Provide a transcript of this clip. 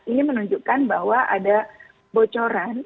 ini menunjukkan bahwa ada bocoran